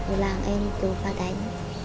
ở làng em tự phát ánh